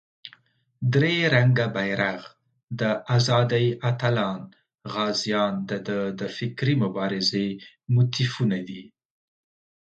درې رنګه بېرغ، د آزادۍ اتلان، غازیان دده د فکري مبارزې موتیفونه دي.